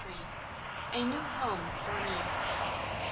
A NEW HOME FOR ME.